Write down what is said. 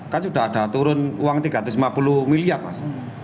kan sudah ada turun uang tiga ratus lima puluh miliar mas